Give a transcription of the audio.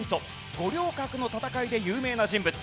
五稜郭の戦いで有名な人物。